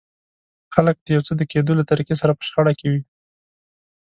خلک د يو څه د کېدو له طريقې سره په شخړه کې وي.